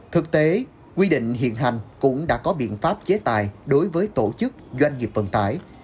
thực tế quy định hiện hành cũng đã có biện pháp chế tài đối với tổ chức doanh nghiệp vận tải